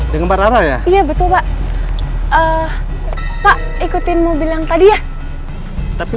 denger lama ya iya betul pak pak ikutin mobil yang tadi ya tapi